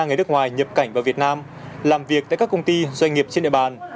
người nước ngoài nhập cảnh vào việt nam làm việc tại các công ty doanh nghiệp trên địa bàn